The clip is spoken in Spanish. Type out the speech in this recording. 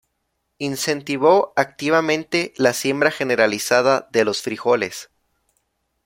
Incentivó activamente la siembra generalizada de los frijoles.